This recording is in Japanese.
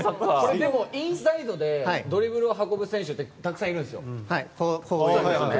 でも、インサイドでドリブルを運ぶ選手はたくさんいるんですよ。